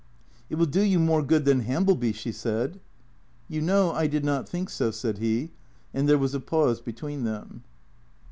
" It will do you more good than Hambleby," she said. "You know I did not think so," said he. And there was a pause between them.